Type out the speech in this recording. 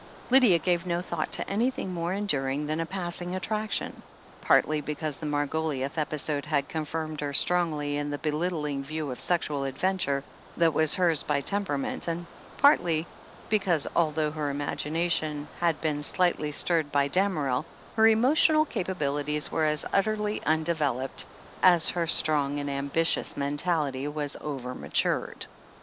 Lydia gave no thought to anything more enduring than a passing attraction, partly because the Margo liouth episode had confirmed her strongly in the be littling view of sexual adventure that was hers by tem perament, and partly because, although her imagina tion had been slightly stirred by Damerel, her emotional capabilities were as utterly undeveloped as her strong and ambitious mentality was overmatured.